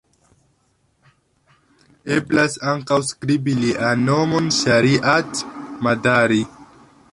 Eblas ankaŭ skribi lian nomon Ŝariat-Madari.